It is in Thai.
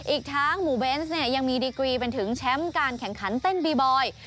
อีกทั้งหมู่เบนส์เนี่ยยังมีดีกรีเป็นถึงแชมป์การแข่งขันเต้นบีบอย